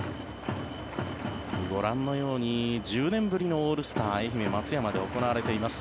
ご覧のように１０年ぶりのオールスター愛媛・松山で行われています。